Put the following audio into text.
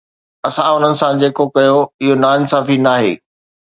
اسان انهن سان جيڪو ڪيو اهو ناانصافي ناهي